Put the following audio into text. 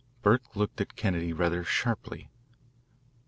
Burke looked at Kennedy rather sharply.